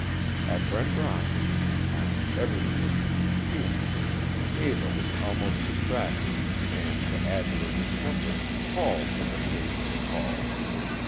At Brent Rock, in the mean time, everything was in confusion, Eva was almost distracted, and, to add to her discomfort, Paul took occasion to call.